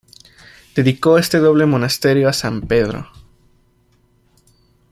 Dedicó este doble monasterio a San Pedro.